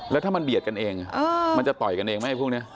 แล้วถ้ามันเบียดกันเองมันจะต่อยกันเองไหมพวกนี้